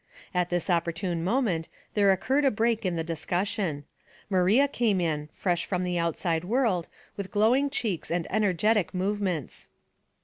At this opportune moment there occurred a break in the discussion. Maria came in, fresh from the outside world, with glowing cheeks and energetic movements.